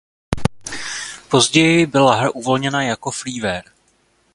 Později byla hra uvolněna jako freeware.